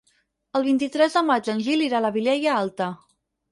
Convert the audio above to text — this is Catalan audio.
El vint-i-tres de maig en Gil irà a la Vilella Alta.